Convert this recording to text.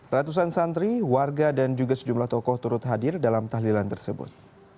ratusan santri warga dan juga sejumlah tokoh turut hadir dalam tahlilan tersebut